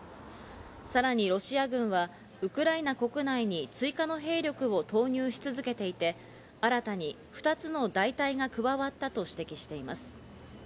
さらにロシア軍はウクライナ国内に追加の兵力を投入し続けていて、新たに２つの大隊が加わったと指摘しています。